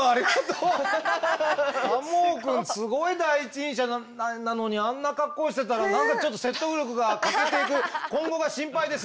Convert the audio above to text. すごい第一人者なのにあんな格好してたら何かちょっと説得力が欠けていく今後が心配です。